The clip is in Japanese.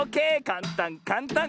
かんたんかんたん。